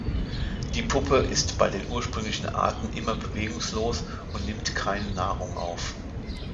Die Puppe ist bei den ursprünglichen Arten immer bewegungslos und nimmt keine Nahrung auf.